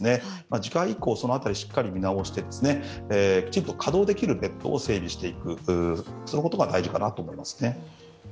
次回以降、その辺りをしっかり見直してきちんと稼働できるベッドを整備していくことが大事かなと思いますね。